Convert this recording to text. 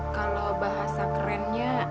kalau bahasa kerennya